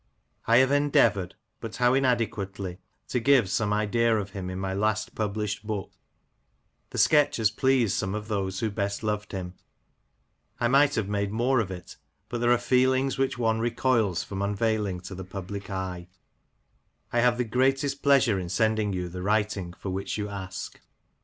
I have endeavoured, but how inadequately, to give some idea of him in my last published book — the sketch has pleased some of those who best loved him — I might have made more of it but there are feelings which one recoils from unveiling to the public eye — I have the greatest pleasure in sending you the writing for which you ask."